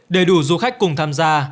đầy đủ du khách cùng tham gia